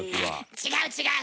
違う違う。